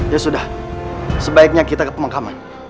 ya sudah sebaiknya kita ke pemakaman